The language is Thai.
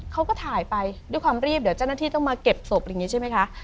เขาก็ถ่ายไปด้วยความรีบเดี๋ยวเจ้าหน้าที่ต้องมาเก็บศพอะไรอย่างนี้ใช่ไหมคะ